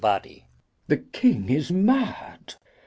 The King is mad.